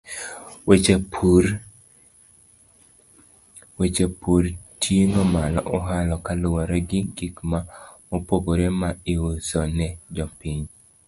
Weche pur ting'o malo ohala kaluwore gi gik mopogore ma iuso ne jopiny.